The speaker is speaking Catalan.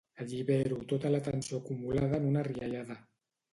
Allibero tota la tensió acumulada en una riallada.